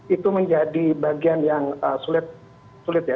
itu menjadi bagian yang sulit ya